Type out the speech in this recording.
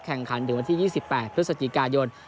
แข่งขันถึงวันที่๒๘พฤศจิกายน